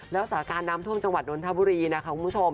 แล้วสถานการณ์น้ำท่วมจังหวัดนทบุรีนะคะคุณผู้ชม